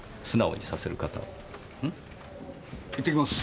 行ってきます。